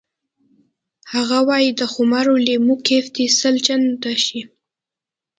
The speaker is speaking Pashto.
هغه وایی د خمارو لیمو کیف دې سل چنده شي